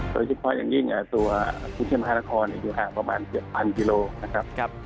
โดยเฉพาะอย่างยิ่งตัวกรุงเทพมหานครอยู่ห่างประมาณ๗๐๐กิโลนะครับ